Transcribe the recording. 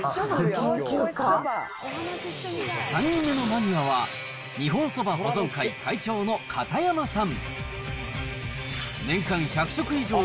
３人目のマニアは、日本蕎麦保存会会長の片山さん。